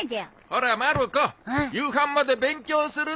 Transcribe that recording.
ほらまる子夕飯まで勉強するぞ。